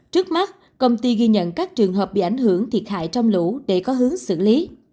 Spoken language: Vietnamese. trước mắt công ty ghi nhận các trường hợp bị ảnh hưởng thiệt hại trong lũ để có hướng xử lý